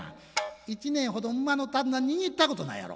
１年ほど馬の手綱握ったことないやろ。